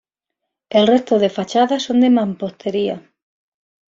El resto de fachadas son de mampostería.